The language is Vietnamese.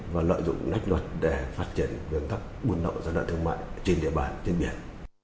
và lợi dụng nách luật để phát triển quyền thấp buôn lậu và lợi thương mại trên địa bàn trên biển